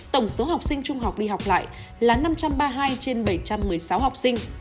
tổng số học sinh trung học đi học lại là năm trăm ba mươi hai trên bảy trăm một mươi sáu học sinh